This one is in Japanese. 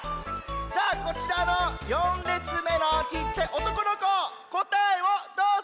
じゃあこちらの４れつめのおとこのここたえをどうぞ。